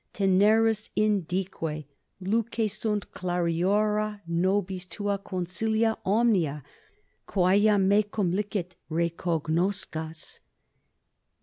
Teneris undique; luce sunt clariora nobis tua consilia omnia, quae iam mecum licet recognoscas.